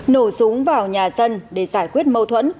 nổ súng vào nhà dân để giải quyết mâu thuẫn